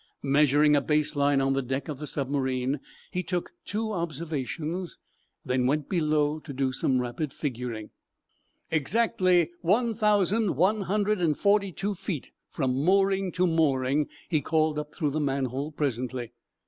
Measuring a base line on the deck of the submarine, he took two observations, then went below to do some rapid figuring. "Exactly 1,142 feet, from mooring to mooring," he called up through the manhole, presently.